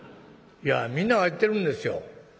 いやみんなが言ってるんですよ」。